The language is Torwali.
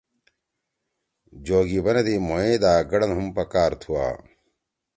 جوگی بندی مھو یے دا گڑن ہُم پکار تُھوا۔